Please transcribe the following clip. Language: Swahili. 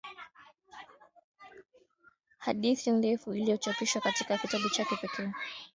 Hadithi ndefu iliyochapishwa katika kitabu chake pekee.